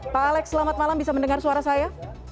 pak alex selamat malam bisa mendengar suara saya